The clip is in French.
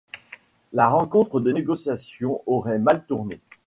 La rencontre de négociations aurait mal tourné.